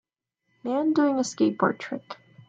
Man doing a skateboard trick